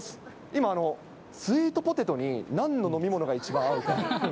今、スイートポテトになんの飲み物が一番合うか。